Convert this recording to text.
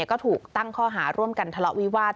ก็ถูกตั้งข้อหาร่วมกันทะเลาะวิวาส